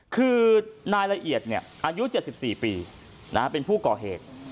คือนายละเอียดอายุ๗๔ปีเป็นผู้ก่อเหตุ